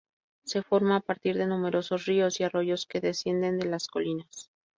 Se forma a partir de numerosos ríos y arroyos que descienden de las colinas.